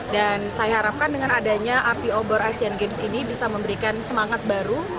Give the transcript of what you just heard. dan saya harapkan dengan adanya api obor asian games ini bisa memberikan semangat baru